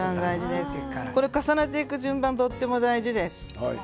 重ねていく順番が大事です。